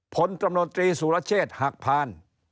ผลตำรวจตรีสุรเชษฐ์หักพาน